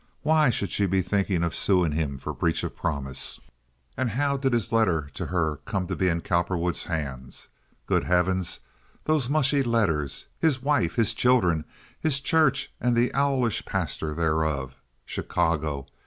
Why should she be thinking of suing him for breach of promise, and how did his letter to her come to be in Cowperwood's hands? Good heavens—those mushy letters! His wife! His children! His church and the owlish pastor thereof! Chicago!